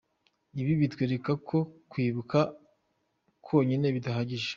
Ibi bitwereka ko Kwibuka konyine bidahagije.